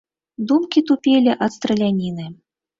Думкі тупелі ад страляніны.